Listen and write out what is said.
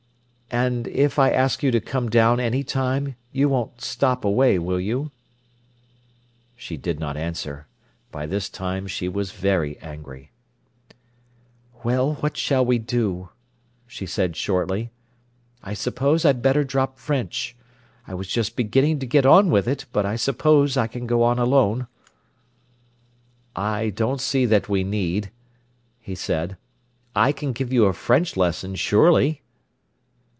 "And if I ask you to come down any time, you won't stop away, will you?" She did not answer. By this time she was very angry. "Well, what shall we do?" she said shortly. "I suppose I'd better drop French. I was just beginning to get on with it. But I suppose I can go on alone." "I don't see that we need," he said. "I can give you a French lesson, surely."